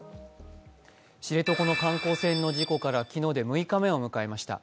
知床の観光船の事故から昨日で６日目を迎えました。